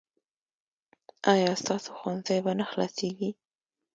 ایا ستاسو ښوونځی به نه خلاصیږي؟